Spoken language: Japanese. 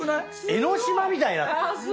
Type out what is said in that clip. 江の島みたいになってる。